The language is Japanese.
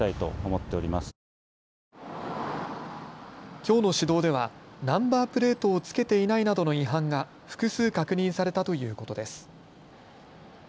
きょうの指導ではナンバープレートを付けていないなどの違反が複数確認されたということです。